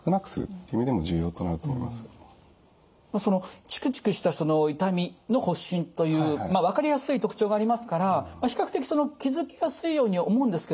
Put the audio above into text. そのチクチクした痛みの発疹という分かりやすい特徴がありますから比較的気付きやすいように思うんですけれどもいかがでしょうか？